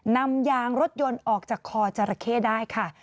นำยางรถยนต์ออกจากคอจราเข้ได้ค่ะ